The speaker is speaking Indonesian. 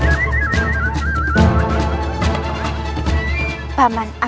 jika paman ingin memenjarakan ibu undaku